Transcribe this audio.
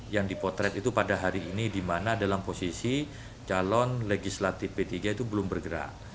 yang dipotret itu pada hari ini di mana dalam posisi calon legislatif p tiga itu belum bergerak